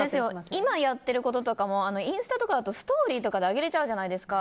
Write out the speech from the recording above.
今やってることとかもインスタとかだとストーリーとかで上げれちゃうじゃないですか。